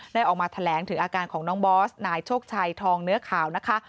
ออกมาแถลงถึงอาการของน้องบอสนายโชคชัยทองเนื้อข่าวนะคะ